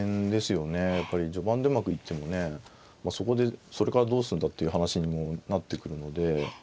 やっぱり序盤でうまくいってもねそこでそれからどうすんだっていう話にもなってくるので。